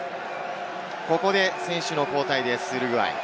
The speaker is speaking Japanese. ここで選手の交代です、ウルグアイ。